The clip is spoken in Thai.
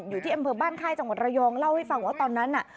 อยู่ที่อำเภอบ้านค่ายจังหวัดระยองเล่าให้ฟังว่าตอนนั้นน่ะ